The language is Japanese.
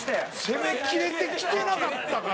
攻めきれてきてなかったから。